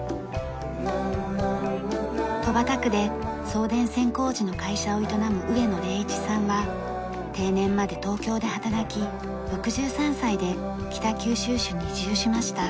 戸畑区で送電線工事の会社を営む上野禮一さんは定年まで東京で働き６３歳で北九州市に移住しました。